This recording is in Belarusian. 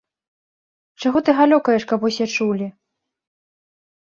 Чаго ты галёкаеш, каб усе чулі.